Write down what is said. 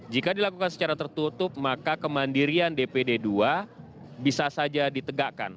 jika dilakukan secara tertutup maka kemandirian dpd dua bisa saja ditegakkan